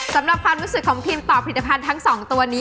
สำหรับความรู้สึกของพิมพ์ต่อผลิตภัณฑ์ทั้ง๒ตัวนี้